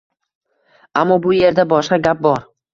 Ammo bu erda boshqa gap bor